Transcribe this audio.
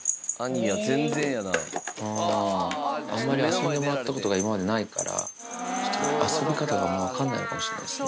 あんまり遊んでもらったことが、今までないから、遊び方が分からないのかもしれないですね。